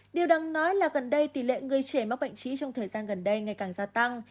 điều đáng nói là gần đây tỷ lệ người trẻ mắc bệnh trí trong thời gian gần đây ngày càng gia tăng